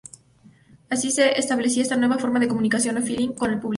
Así se establecía esta nueva forma de comunicación o "feeling" con el público.